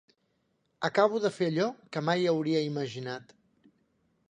Acabo de fer allò que mai hauria imaginat.